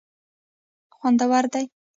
خوندور دي.